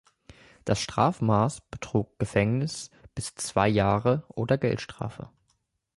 Das Strafmaß betrug Gefängnis bis zwei Jahre oder Geldstrafe.